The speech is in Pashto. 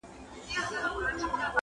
هم لباس هم یې ګفتار د ملکې وو-